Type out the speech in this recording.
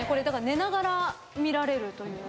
だから寝ながら見られる。